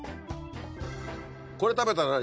これ食べたら何？